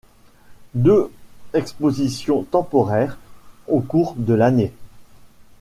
Deux expositions temporaires au cours de l’année.